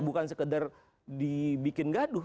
bukan sekedar dibikin gaduh